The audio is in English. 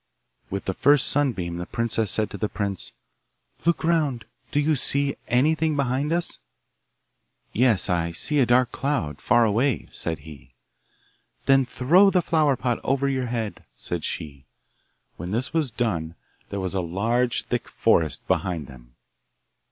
With the first sunbeam the princess said to the prince, 'Look round; do you see anything behind us?' 'Yes, I see a dark cloud, far away,' said he. 'Then throw the flower pot over your head,' said she. When this was done there was a large thick forest behind them.